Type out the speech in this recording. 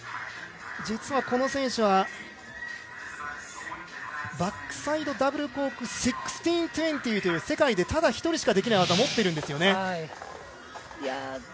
実はこの選手はバックサイドダブルコーク１６２０という世界でただ一人しかできない技を持ってるんですね。